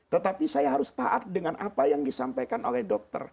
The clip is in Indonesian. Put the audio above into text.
tetapi saya harus taat dengan apa yang disampaikan oleh dokter